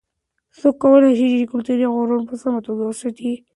څوک کولای سي چې کلتوري غرور په سمه توګه وساتي؟